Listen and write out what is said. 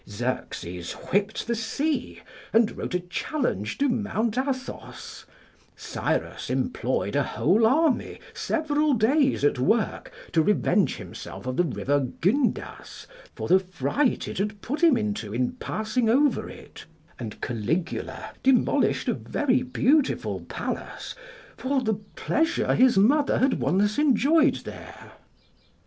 Xerxes whipped the sea, and wrote a challenge to Mount Athos; Cyrus employed a whole army several days at work, to revenge himself of the river Gyndas, for the fright it had put him into in passing over it; and Caligula demolished a very beautiful palace for the pleasure his mother had once enjoyed there.